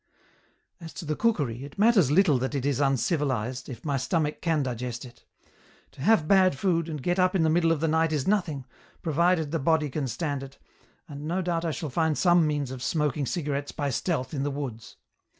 " As to the cookery, it matters little that it is uncivilized, if my stomach can digest it ; to have bad food, and get up in the middle of the night is nothing, provided the body can stand it, and no doubt I shall find some means of smok ing cigarettes by stealth in the woods.